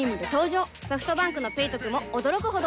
ソフトバンクの「ペイトク」も驚くほどおトク